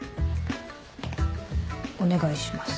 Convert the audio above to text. お願いします。